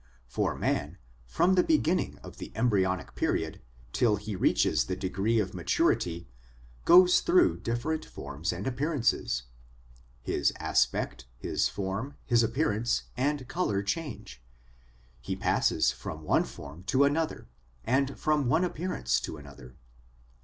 For man, from the beginning of the embryonic period till he reaches the degree of maturity, goes through different forms and appearances. His aspect, his form, his appearance, and colour change ; he passes from one form to another, and from one appearance to another.